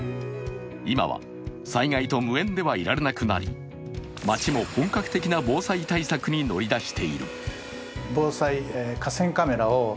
今は災害と無縁ではいられなくなり街も本格的な防災対策に乗り出している。